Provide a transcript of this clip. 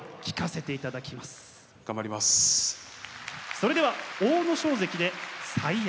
それでは阿武咲関で「最愛」。